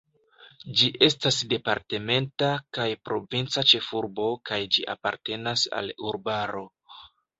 Ĝi estas departementa kaj provinca ĉefurbo kaj ĝi apartenas al urbaro.